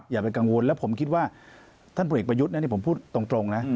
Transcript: อย่าไปกังวลแล้วผมคิดว่าท่านผู้หญิงประยุทธ์เนี่ยผมพูดตรงนะ